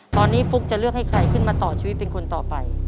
ตอนนี้ฟุ๊กจะเลือกให้ใครขึ้นมาต่อชีวิตเป็นคนต่อไป